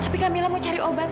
tapi kak mila mau cari obat